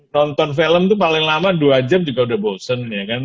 nonton film itu paling lama dua jam juga udah bosen ya kan